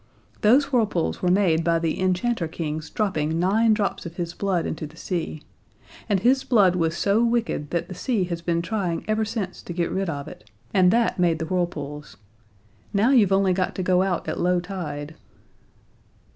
Those whirlpools were made by the enchanter King's dropping nine drops of his blood into the sea. And his blood was so wicked that the sea has been trying ever since to get rid of it, and that made the whirlpools. Now you've only got to go out at low tide."